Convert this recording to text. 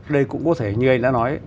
đây cũng có thể như anh đã nói